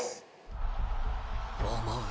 思う